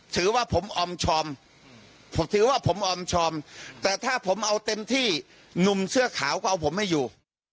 ถือว่าผมออมชอมแต่ถ้าผมเอาเต็มที่นุ่มเสื้อขาวก็เอาผมให้อยู่